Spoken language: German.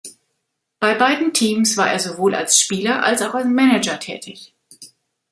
Bei beiden Teams war er sowohl als Spieler als auch als Manager tätig.